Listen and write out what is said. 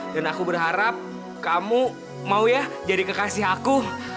dan aku berharap kamu mau ya jadi kekasih aku